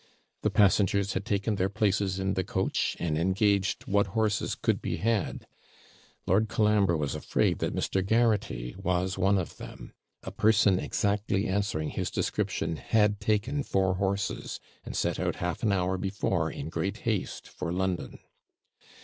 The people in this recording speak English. The passengers had taken their places in the coach, and engaged what horses could be had. Lord Colambre was afraid that Mr. Garraghty was one of them; a person exactly answering his description had taken four horses, and set out half an hour before in great haste for London.